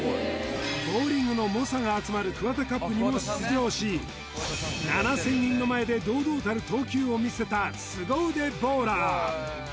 ボウリングの猛者が集まるＫＵＷＡＴＡＣＵＰにも出場し７０００人の前で堂々たる投球を見せたスゴ腕ボウラー